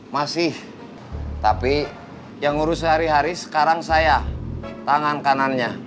masih tapi yang ngurus sehari hari sekarang saya tangan kanannya